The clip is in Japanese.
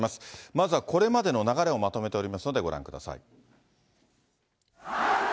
まずはこれまでの流れをまとめておりますので、ご覧ください。